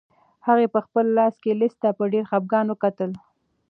هغه په خپل لاس کې لسی ته په ډېر خپګان وکتل.